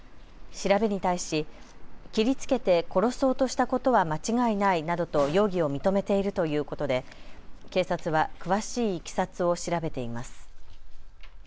調べに対し切りつけて殺そうとしたことは間違いないなどと容疑を認めているということで警察は詳しいいきさつを調べています。